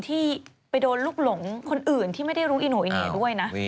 ที่ไปโดนลูกหลงคนอื่นที่ไม่ได้รู้อิโนอิเน่ด้วยนะ